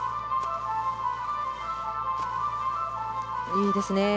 いいですね。